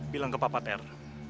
bilang ke papa ter